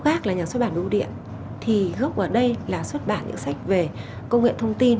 khác là nhà xuất bản ưu điện thì gốc ở đây là xuất bản những sách về công nghệ thông tin